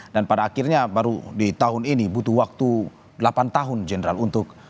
dan pada akhirnya baru di tahun ini butuh waktu delapan tahun jendral untuk